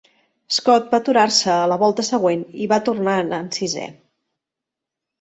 Scot va aturar-se a la volta següent i va tornar anant sisè.